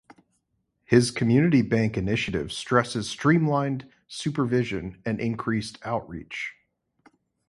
His community bank initiative stresses streamlined supervision and increased outreach.